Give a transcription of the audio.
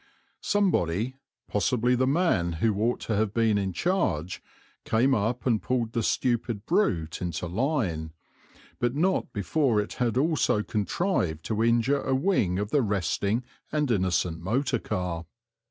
Somebody, possibly the man who ought to have been in charge, came up and pulled the stupid brute into line, but not before it had also contrived to injure a wing of the resting and innocent motor car.